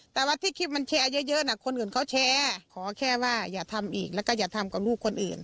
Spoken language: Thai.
แต่ว่าที่คลิปมันแชร์เยอะน่ะคนอื่นเขาแชร์ขอแค่ว่าอย่าทำอีกแล้วก็อย่าทำกับลูกคนอื่น